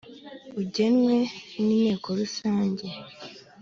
ugenwe n Inteko Rusange